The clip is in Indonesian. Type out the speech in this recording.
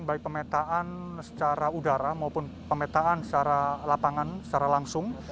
baik pemetaan secara udara maupun pemetaan secara lapangan secara langsung